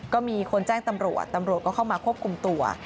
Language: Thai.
ก็มีคนแจ้งตำรวจตำรวจก็เข้ามาควบคุมตัว